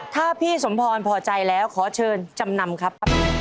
ถ้าพี่สมพรพอใจแล้วขอเชิญจำนำครับ